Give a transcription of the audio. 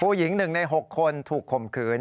ผู้หญิง๑ใน๖คนถูกข่มขืน